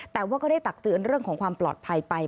แต่ว่าก็ได้ตักเตือนเรื่องของความปลอดภัยไป